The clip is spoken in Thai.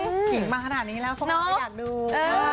จริงจริงมาขนาดนี้แล้วพวกมันก็อยากดู